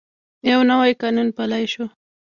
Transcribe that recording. یو نوی قانون پلی شو.